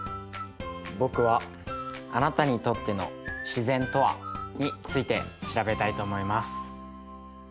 僕は「あなたにとっての自然とは？」について調べたいと思います。